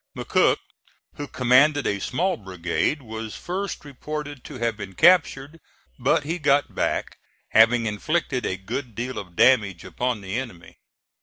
McCook, who commanded a small brigade, was first reported to have been captured; but he got back, having inflicted a good deal of damage upon the enemy.